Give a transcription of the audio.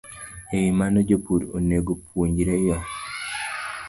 E wi mano, jopur onego opuonjre yo